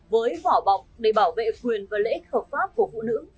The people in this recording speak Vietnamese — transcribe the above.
với vỏ bọc để bảo vệ quyền và lợi ích hợp pháp của phụ nữ